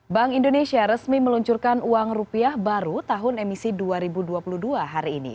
bank indonesia resmi meluncurkan uang rupiah baru tahun emisi dua ribu dua puluh dua hari ini